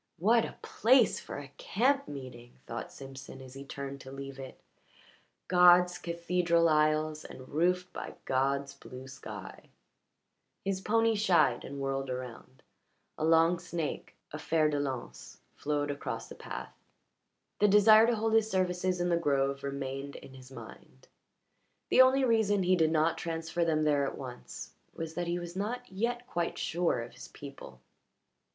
"What a place for a camp meeting!" thought Simpson as he turned to leave it. "God's cathedral aisles, and roofed by God's blue sky." His pony shied and whirled around, a long snake a fer de lance flowed across the path. The desire to hold his services in the grove remained in his mind; the only reason he did not transfer them there at once was that he was not yet quite sure of his people.